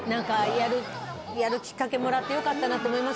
やるきっかけをもらって、よかったなと思います。